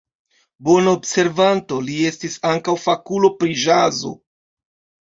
Bona observanto, li estis ankaŭ fakulo pri ĵazo.